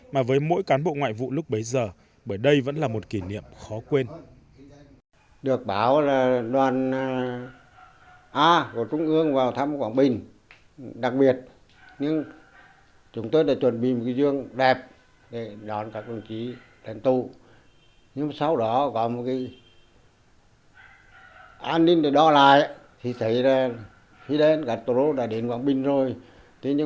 mà với mỗi cán bộ ngoại vụ lúc bấy giờ bởi đây vẫn là một kỷ niệm khó quên